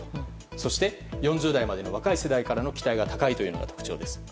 そして、４０代までの若い世代からの期待が高いというのが特徴です。